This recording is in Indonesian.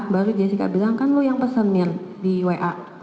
baru jessica bilang kan lo yang pesenin di wa